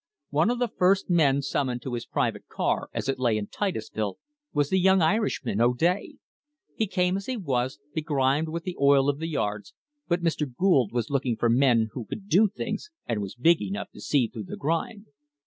One of the first men sum moned to his private car as it lay in Titusville was the young Irishman, O'Day. He came as he was, begrimed with the oil of the yards, but Mr. Gould was looking for men who could do things, and was big enough to see through the grime.